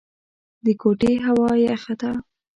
د کوټې هوا يخه ده.